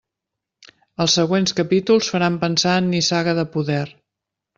Els següents capítols faran pensar en Nissaga de poder.